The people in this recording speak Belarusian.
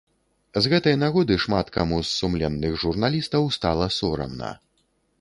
З гэтай нагоды шмат каму з сумленных журналістаў стала сорамна.